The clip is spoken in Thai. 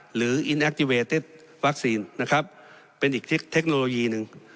หรือควัคซีนนะครับเป็นอีกเทคโนโลยีหนึ่ง